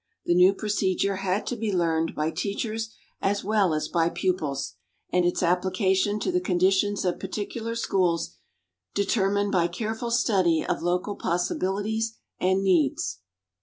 The new procedure had to be learned by teachers as well as by pupils, and its application to the conditions of particular schools determined by careful study of local possibilities and needs.